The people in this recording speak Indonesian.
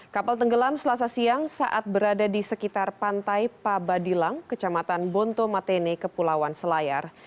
kapal tenggelam selasa siang saat berada di sekitar pantai pabadilang kecamatan bonto matene kepulauan selayar